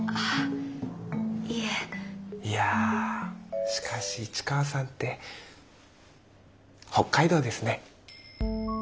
いやしかし市川さんって北海道ですね。